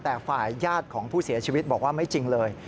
แต่ฝ่ายญาติของผู้เสียชีวิตบอกว่าไม่จริงเลย